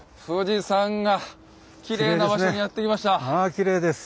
きれいですね。